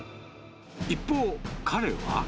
一方、彼は。